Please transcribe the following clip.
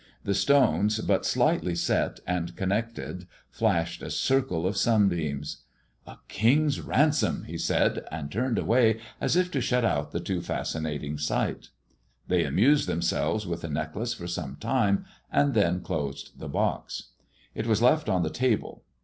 The stones but shghtly set and con nected, Sashed a circle of sunbeams " A kirfg's ransom 1 he said and turned away as if to shut out the too fascinating s ght They amused themselves with the necklace for some time and then closed the box. It was left on the table.